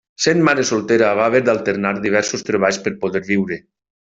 Sent mare soltera va haver d'alternar diversos treballs per poder viure.